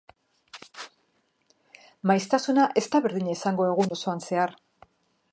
Maiztasuna ez da berdina izango egun osoan zehar.